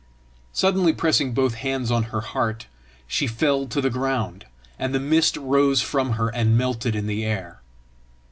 Suddenly pressing both hands on her heart, she fell to the ground, and the mist rose from her and melted in the air.